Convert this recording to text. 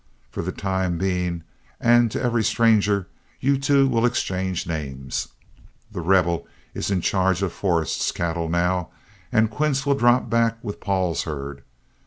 For the time being and to every stranger, you two will exchange names. The Rebel is in charge of Forrest's cattle now, and Quince will drop back with Paul's herd.